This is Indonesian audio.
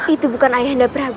itu bukan ayah anda prabu